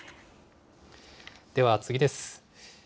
では、次です。